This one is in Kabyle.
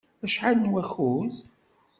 Acḥal n wakud?